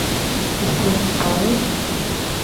¿Despreocupados?